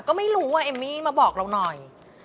ก็ไม่รู้ว่าเอมมี่มาบอกเราหน่อย